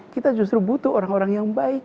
kita justru butuh orang orang yang baik